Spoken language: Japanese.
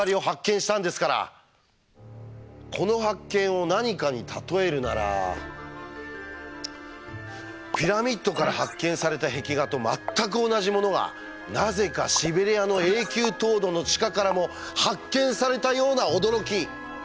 この発見を何かに例えるならピラミッドから発見された壁画と全く同じものがなぜかシベリアの永久凍土の地下からも発見されたような驚き！